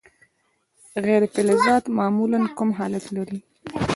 غیر فلزات معمولا کوم حالت لري.